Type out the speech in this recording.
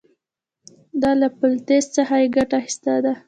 دا له فاتالیس څخه یې اخیستي دي